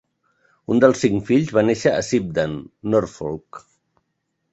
Un dels cinc fills va néixer a Shipdham, Norfolk.